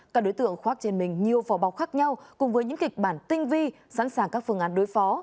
các đối tượng khoác trên mình nhiều phò bọc khác nhau cùng với những kịch bản tinh vi sẵn sàng các phương án đối phó